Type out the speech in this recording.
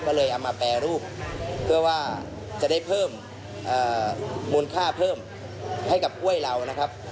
ก็เลยเอามาแปรรูปเพื่อว่าจะได้เพิ่มมูลค่าเพิ่มให้กับกล้วยเรานะครับ